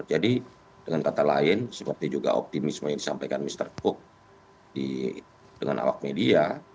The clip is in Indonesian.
jadi dengan kata lain seperti juga optimisme yang disampaikan mr cook dengan awak media